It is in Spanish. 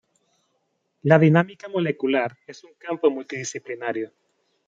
La dinámica molecular es un campo multidisciplinario.